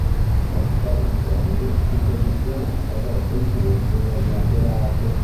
La città di Strong fu così chiamata dopo il suo governatorato.